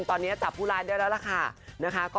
ตอนนี้จับผู้ร้ายเดียวแล้วล่ะค่ะ